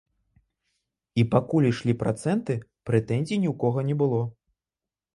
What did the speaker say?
І пакуль ішлі працэнты, прэтэнзій ні ў кога не было.